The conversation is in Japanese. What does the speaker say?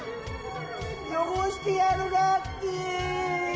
よごしてやるガッキー。